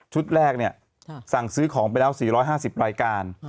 แรกสั่งซื้อของไปแล้ว๔๕๐รายการ